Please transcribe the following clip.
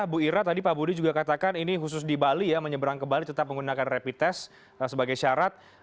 bu ira tadi pak budi juga katakan ini khusus di bali ya menyeberang ke bali tetap menggunakan rapid test sebagai syarat